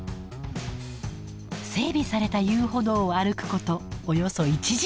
整備された遊歩道を歩くことおよそ１時間。